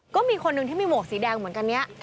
ก็มีคนหนึ่งที่มีหมวกสีแดงเหมือนกันเนี่ย